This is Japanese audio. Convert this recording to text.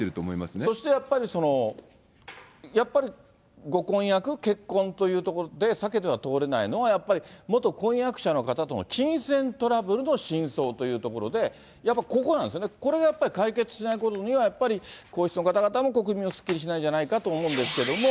そしてやっぱり、ご婚約、結婚というところで避けては通れないのが、やっぱり元婚約者の方との金銭トラブルの真相というところで、ここなんですよね、これがやっぱり解決しないことにはやっぱり皇室の方々も国民もすっきりしないんじゃないかなと思うんですけれども。